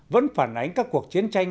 vẫn phản ánh các cuộc chiến tranh